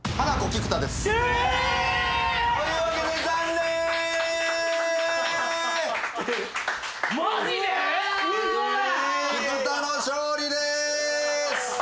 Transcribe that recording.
菊田の勝利です！